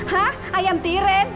hah ayam tiren